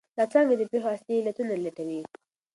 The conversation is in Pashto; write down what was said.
دا څانګه د پېښو اصلي علتونه لټوي.